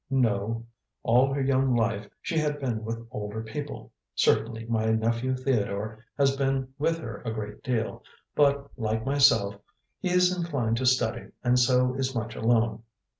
"No. All her young life she had been with older people. Certainly my nephew Theodore has been with her a great deal; but, like myself, he is inclined to study and so is much alone.